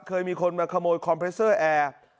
เคยมีคนมาขโมยคอมเพรสเซอร์แอร์